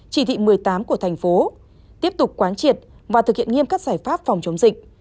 chỉ thị một mươi tám của thành phố tiếp tục quán triệt và thực hiện nghiêm các giải pháp phòng chống dịch